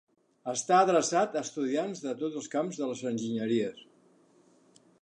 Està adreçat a estudiants de tots els camps de les enginyeries.